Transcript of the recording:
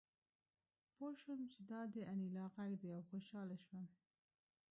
پوه شوم چې دا د انیلا غږ دی او خوشحاله شوم